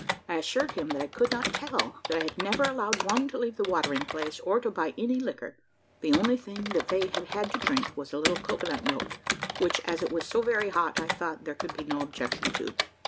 I assured him that I could not tell, that I had never allowed one to leave the watering place, or to buy any liquor: the only thing that they had had to drink was a little cocoa nut milk, which, as it was so very hot, I thought there could be no objection to.